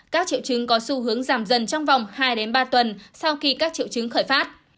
các triệu chứng có xu hướng giảm dần trong vòng hai ba tuần sau khi các triệu chứng khởi phát